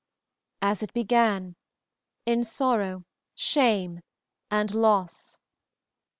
"As it began in sorrow, shame and loss."